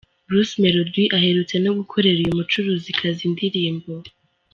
Bruce Melodie aherutse no gukorera uyu mucuruzikazi indirimbo.